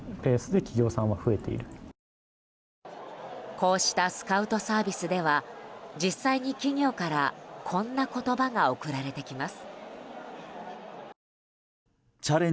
こうしたスカウトサービスでは実際に企業からこんな言葉が送られてきます。